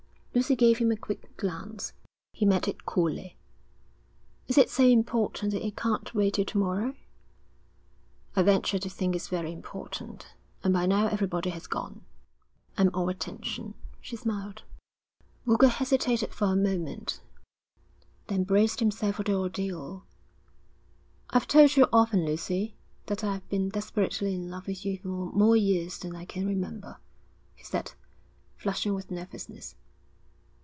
Lucy gave him a quick glance. He met it coolly. 'Is it so important that it can't wait till to morrow?' 'I venture to think it's very important. And by now everybody has gone.' 'I'm all attention,' she smiled. Boulger hesitated for a moment, then braced himself for the ordeal. 'I've told you often, Lucy, that I've been desperately in love with you for more years than I can remember,' he said, flushing with nervousness.